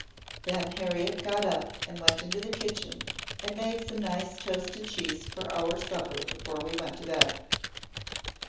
Then Harriet got up and went into the kitchen and made some nice toasted cheese for our supper before we went to bed."